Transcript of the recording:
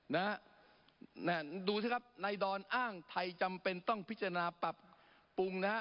นั่นดูสิครับนายดอนอ้างไทยจำเป็นต้องพิจารณาปรับปรุงนะฮะ